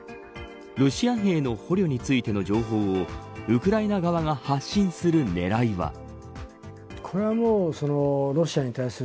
ロシア兵の捕虜についての情報をウクライナ側が発信する狙いは。